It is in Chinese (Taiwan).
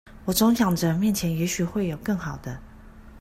我總想著前面也許會有更好的